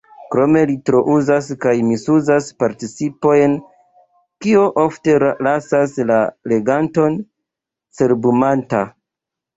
Krome, li trouzas kaj misuzas participojn, kio ofte lasas la leganton cerbumanta.